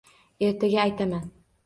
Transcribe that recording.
- Ertaga aytaman..